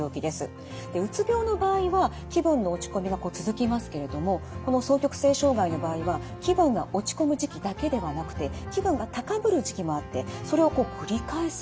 うつ病の場合は気分の落ち込みが続きますけれどもこの双極性障害の場合は気分が落ち込む時期だけではなくて気分が高ぶる時期もあってそれを繰り返すんですよね。